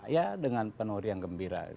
ya dengan penuh riang gembira